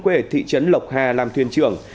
quê ở thị trấn lộc hà làm thuyền trưởng